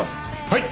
はい！